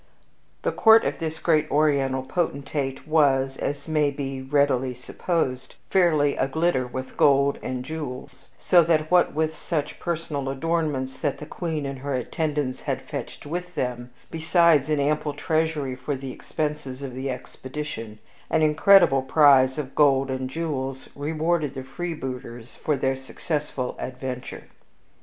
The court of this great Oriental potentate was, as may be readily supposed, fairly aglitter with gold and jewels, so that, what with such personal adornments that the Queen and her attendants had fetched with them, besides an ample treasury for the expenses of the expedition, an incredible prize of gold and jewels rewarded the freebooters for their successful adventure.